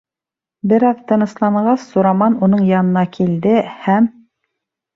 Бер аҙ тынысланғас, Сураман уның янына килде һәм: